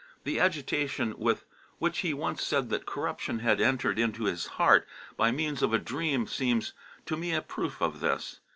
The agitation with which he once said that corruption had entered into his heart by means of a dream seems to me a proof of this.